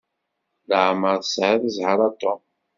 Leɛmeṛ tesɛiḍ zzheṛ a Tom.